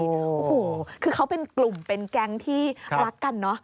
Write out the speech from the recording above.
โอ้โหคือเขาเป็นกลุ่มเป็นแก๊งที่รักกันเนอะ